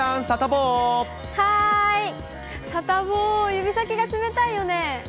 サタボー、指先が冷たいよね。